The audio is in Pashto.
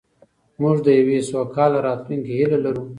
موږ د یوې سوکاله راتلونکې هیله لرو.